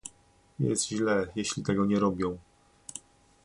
Jest źle, jeśli tego nie robią